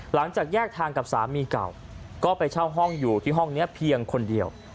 หลังจากแยกทางกับสามีเก่าก็ไปเช่าห้องอยู่ที่ห้องนี้เพียงคนเดียว